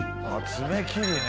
爪切りね